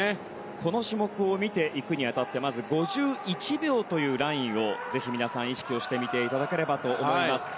この種目を見ていくにあたって５１秒というラインをぜひ皆さん意識をしてみていただければと思います。